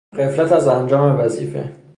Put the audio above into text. غفلت از انجام وظیفه